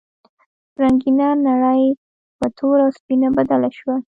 رنګینه نړۍ په توره او سپینه بدله شوه.